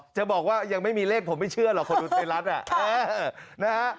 จะบอกว่ายังไม่มีเลขผมไม่เชื่อหรอกคนดูไทยรัฐนะฮะ